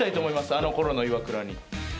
あの頃のイワクラに。